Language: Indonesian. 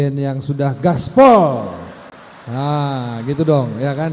nah gitu dong